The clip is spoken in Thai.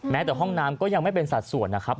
แต่ห้องน้ำก็ยังไม่เป็นสัดส่วนนะครับ